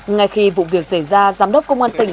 ngay khi vụ việc xảy ra giám đốc công an tỉnh